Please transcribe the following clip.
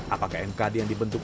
apakah mkd yang dibentuk